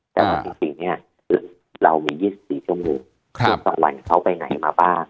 แต่ว่าจริงจริงเนี่ยคือเรามียี่สิบสี่ชั่วโมงครับวันเขาไปไหนมาบ้าง